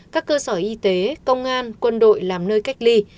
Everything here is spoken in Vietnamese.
các cơ sở y tế công an quân đội làm nơi cách ly